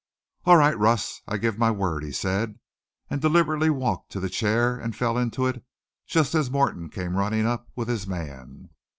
"All right, Russ! I give my word," he said, and deliberately walked to the chair and fell into it, just as Morton came running up with his man.